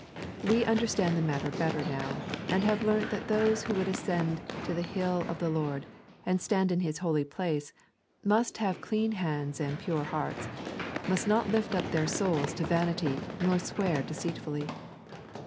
We imderBtand the matter better now, and have learnt that those who would ascend the Hill of the Lord, and stand in His holy place, most have clean hands and pure hearts, must not lift, up their souls to vanity nor swear deceitfully.